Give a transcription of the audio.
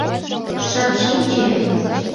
Шып шинче!